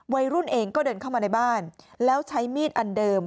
วัยรุ่นเองก็เดินเข้ามาในบ้านแล้วใช้มีดอันเดิม